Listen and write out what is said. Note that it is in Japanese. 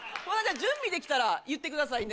準備できたら言ってくださいね。